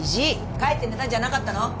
帰って寝たんじゃなかったの？